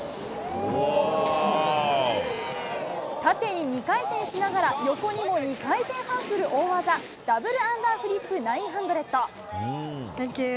縦に２回転しながら、横にも２回転半する大技、ダブルアンダーフリップ９００。